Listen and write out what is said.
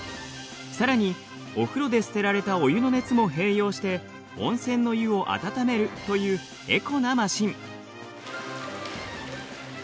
さらにお風呂で捨てられたお湯の熱も併用して温泉の湯を温めるというエコなマシン。